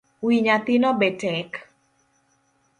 Wi nyathino betek